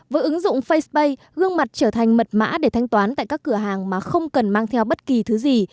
với ứng dụng facepay gương mặt trở thành mật mã để thanh toán tại các cửa hàng mà không cần mang theo bất kỳ thứ gì